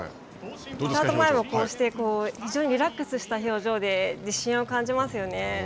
スタート前もこうして非常にリラックスした表情で、自信を感じますよね。